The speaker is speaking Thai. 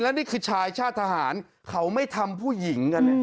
นี่คือชายชาติทหารเขาไม่ทำผู้หญิงกัน